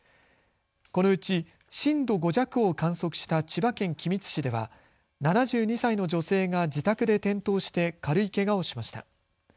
このうち震度５弱を観測した千葉県君津市では７２歳の女性が自宅で転倒して軽いけがをしました。